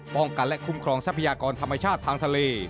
ป้องกันและคุ้มครองทรัพยากรธรรมชาติทางทะเล